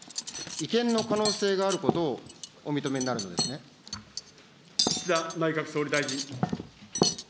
違憲の可能性があることをお認め岸田内閣総理大臣。